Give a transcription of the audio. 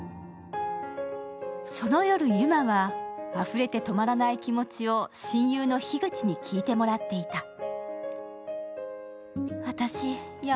その夜、由舞はあふれて止まらない気持ちを親友の樋口に聞いてもらっていた。